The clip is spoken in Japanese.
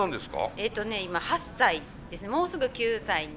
えっとね今８歳ですねもうすぐ９歳に。